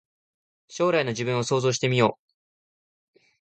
将来の自分を想像してみよう